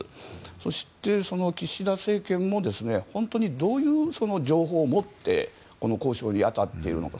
そして、岸田政権も本当にどういう情報を持ってこの交渉に当たっているのか